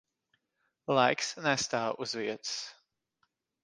Laiks nestāv uz vietas.